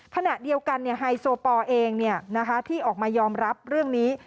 ขณะเดียวกันไฮโซปอลเองที่ออกมายอมรับเรื่องนี้